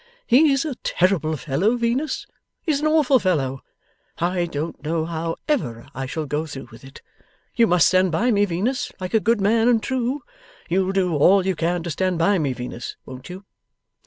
'He's a terrible fellow, Venus; he's an awful fellow. I don't know how ever I shall go through with it. You must stand by me, Venus like a good man and true. You'll do all you can to stand by me, Venus; won't you?